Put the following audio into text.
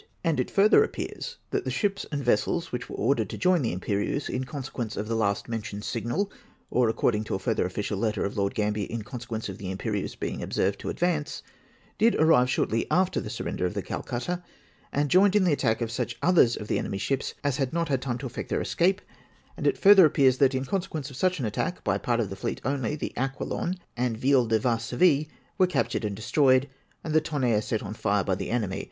And it further appears that the ships and vessels which were ordered to join the Irrqjeriense, in consecjuence of the last mentioned signal, or, according to a further official letter of Lord Gambler, in consetpience of the Lnperieuse being observed to advance, did arrive shortl}^ after the surrender of the Calcutta, and joined in the attack on such others of the enemy's ships as had not had time to effect their escape; and it fiu'ther appears that, in consequence of such attack by a part of the fleet only, the Acpillon and V'dle de Varsovie were captured and destroyed, and the Tonnerre set on fire by the enemy.